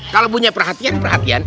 kalo bunyi perhatian perhatian